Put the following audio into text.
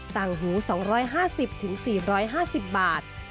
ต่างหู๒๕๐๔๕๐บาท